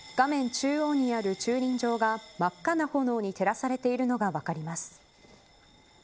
中央にある駐輪場が真っ赤な炎に照らされているのが分かります。